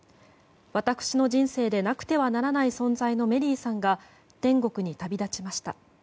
私の人生でなくてはならない存在のメリーさんが天国に旅立ちました。